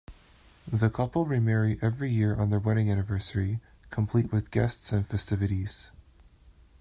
The couple remarry every year on their wedding anniversary, complete with guests and festivities.